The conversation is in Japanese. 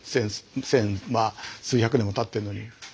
千まあ数百年もたってるのに。